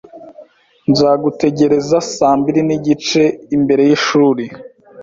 Nzagutegereza saa mbiri nigice imbere yishuri.